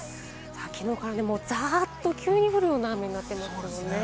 きのうからざっと急に降るような雨になってますよね。